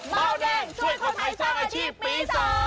เบาแดงช่วยคนไทยสร้างอาชีพปี๒